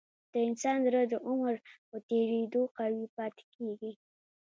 د انسان زړه د عمر په تیریدو قوي پاتې کېږي.